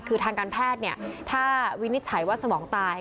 คือทางการแพทย์ถ้าวินิจฉัยว่าสมองตาย